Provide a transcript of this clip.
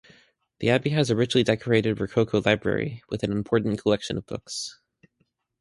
The abbey has a richly decorated Rococo library with an important collection of books.